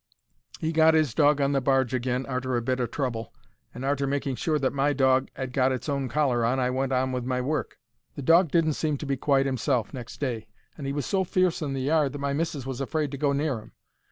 He got 'is dog on the barge agin arter a bit o' trouble, and arter making sure 'that my dog 'ad got its own collar on I went on with my work. The dog didn't seem to be quite 'imself next day, and he was so fierce in the yard that my missis was afraid to go near 'im.